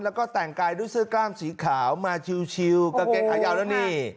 แล้วก็แต่งกายด้วยเสื้อกล้ามสีขาวมาชิวกางเกงขายาวแล้วนี่